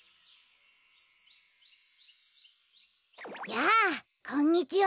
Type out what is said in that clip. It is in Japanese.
やあこんにちは。